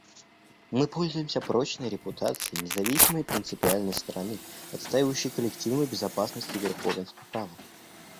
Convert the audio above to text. Мы пользуемся прочной репутацией независимой и принципиальной стороны, отстаивающей коллективную безопасность и верховенство права.